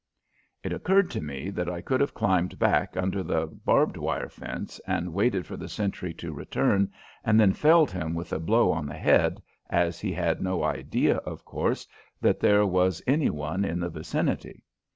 It occurred to me that I could have climbed back under the barbed wire fence and waited for the sentry to return and then felled him with a blow on the head, as he had no idea, of course, that there was any one in the vicinity.